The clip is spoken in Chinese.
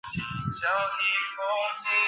其位于上水石湖墟分店继续营业。